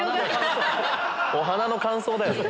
お花の感想だよそれ。